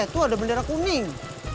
tuh ada bendera kuning